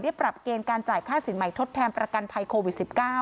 ปรับเกณฑ์การจ่ายค่าสินใหม่ทดแทนประกันภัยโควิด๑๙